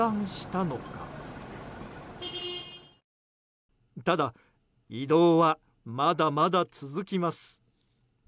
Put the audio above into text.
ただ、移動はまだまだ続きます。